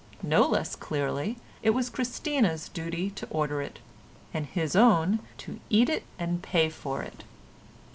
No less clearly it was Christina's duty to order it, and his own to eat it and pay for it.